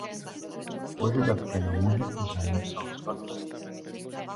Požadavky na muže i ženy jsou shodné.